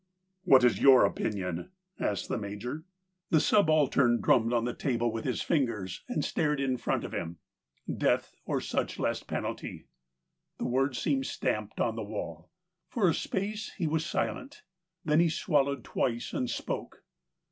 " What is your opinion ?" asked the Major. The subaltern drummed on the table with THE COWARD 135 his fingers, and stared in front of him. Death, or such less penalty. The words seemed stamped on the wall. For a space he was silent ; then he swallowed twice and spoke.